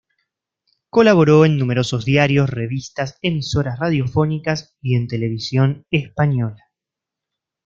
Colaboró en numerosos diarios, revistas, emisoras radiofónicas y en Televisión Española.